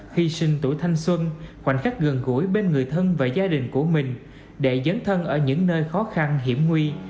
hy sinh tuổi thanh xuân khoảnh khắc gần gũi bên người thân và gia đình của mình để dấn thân ở những nơi khó khăn hiểm nguy